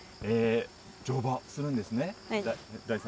乗馬、するんですね。